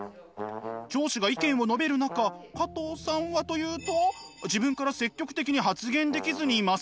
上司が意見を述べる中加藤さんはというと自分から積極的に発言できずにいます。